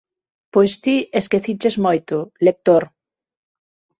Pois ti esqueciches moito, lector.